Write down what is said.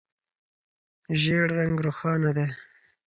ژېړ رنګ روښانه دی.